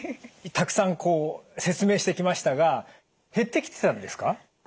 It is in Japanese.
たくさんこう説明してきましたが減ってきてたんですか？